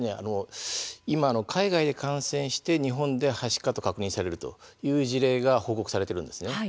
今、海外で感染して日本ではしかと確認される事例が報告されています。